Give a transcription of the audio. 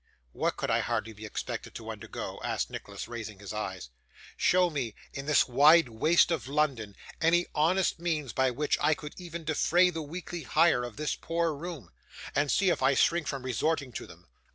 'What could I hardly be expected to undergo?' asked Nicholas, raising his eyes. 'Show me, in this wide waste of London, any honest means by which I could even defray the weekly hire of this poor room, and see if I shrink from resorting to them!